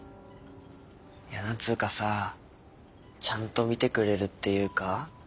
いや何つうかさちゃんと見てくれるっていうか。